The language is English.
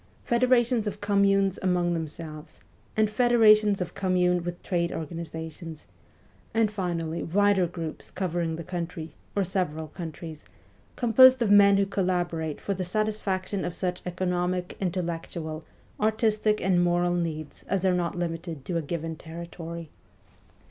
federations of com munes among themselves, and federations of communes with trade organizations ; and finally, wider groups covering the country, or several countries, composed of men who collaborate for the satisfaction of such \ economic, intellectual, artistic, and moral needs as are not limited to a given territory.